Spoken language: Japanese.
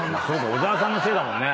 小澤さんのせいだもんね。